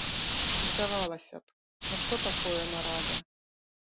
Здавалася б, ну што такое нарада?